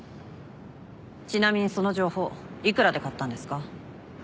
ちなみにその情報幾らで買ったんですか？